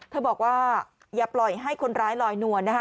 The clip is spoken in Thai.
บอกว่าอย่าปล่อยให้คนร้ายลอยนวลนะคะ